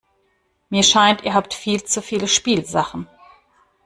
Mir scheint, ihr habt viel zu viele Spielsachen.